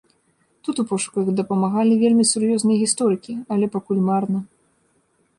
Тут у пошуках дапамагалі вельмі сур'ёзныя гісторыкі, але пакуль марна.